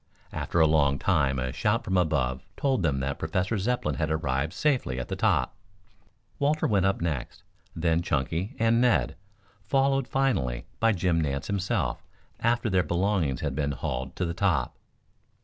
After a long time a shout from above told them that Professor Zepplin had arrived safely at the top. Walter went up next, then Chunky and Ned, followed finally by Jim Nance himself after their belongings had been hauled to the top.